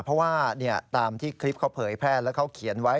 เพราะว่าตามที่คลิปเขาเผยแพร่แล้วเขาเขียนไว้